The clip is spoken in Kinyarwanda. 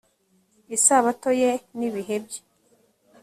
isabato ye n ibihe bye